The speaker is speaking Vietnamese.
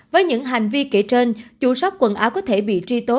với những hành vi kể trên chủ sóc quần áo có thể bị truy tố